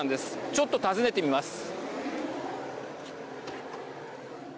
ちょっと訪ねてみます。